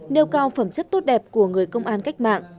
nêu cao phẩm chất tốt đẹp của người công an cách mạng